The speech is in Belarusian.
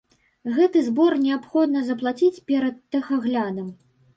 Гэты збор неабходна заплаціць перад тэхаглядам.